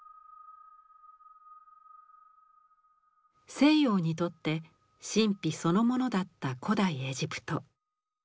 西洋にとって神秘そのものだった古代エジプト。